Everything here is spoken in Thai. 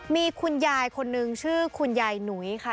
มีคุณยายคนนึงชื่อคุณยายหนุยค่ะ